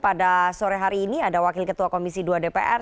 pada sore hari ini ada wakil ketua komisi dua dpr